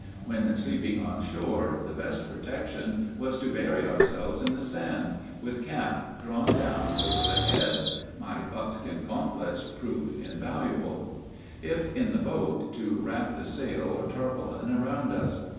When sleeping on shore, the best protection was to bury ourselves in the sand, with cap drawn down over the head (my buckskin gauntlets proved invaluable); if in the boat, to wrap the sail or tarpaulin around us.